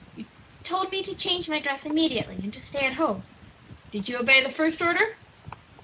"You told me to change my dress immediately and to stay at home." "Did you obey the first order?"